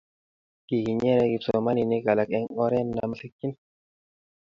Kikinyere kipsomaninik alak eng' oret na masikchini.